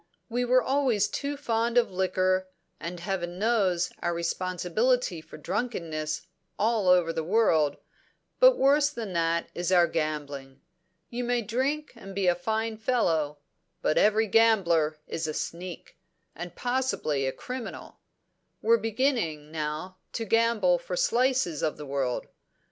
We were always too fond of liquor, and Heaven knows our responsibility for drunkenness all over the world; but worse than that is our gambling. You may drink and be a fine fellow; but every gambler is a sneak, and possibly a criminal. We're beginning, now, to gamble for slices of the world.